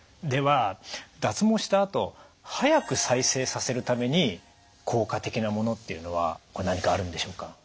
では脱毛したあと早く再生させるために効果的なものっていうのはこれ何かあるんでしょうか？